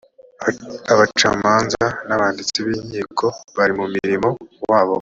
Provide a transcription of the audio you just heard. abacamanza n’ abanditsi b’ inkiko bari mu mirimo wabo